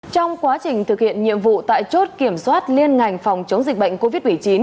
trong quá trình thực hiện nhiệm vụ tại chốt kiểm soát liên ngành phòng chống dịch bệnh covid một mươi chín